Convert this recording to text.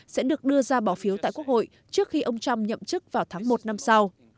sẽ được đưa ra bỏ phiếu tại quốc hội trước khi ông trump nhậm chức vào tháng một năm sau